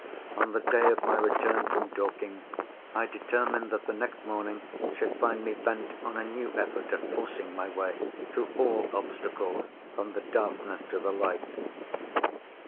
On the day of my return from Dorking, I determined that the next morning should find me bent on a new effort at forcing my way, through all obstacles, from the darkness to the light.